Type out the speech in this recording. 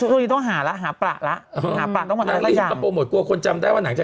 รีบโปรโมตไปกลัวคนจำได้เหรอ